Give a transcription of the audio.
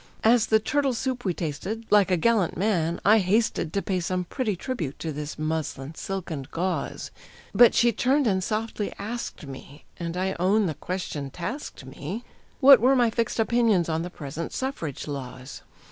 As the turtle soup we tasted, like a gallant man I hasted To pay some pretty tribute to this muslin, silk, and gauze; But she turned and softly asked me and I own the question tasked me What were my fixed opinions on the present Suffrage laws.